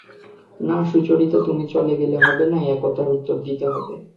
না সুচরিতা, তুমি চলে গেলে হবে না– এ কথার উত্তর দিতে হবে।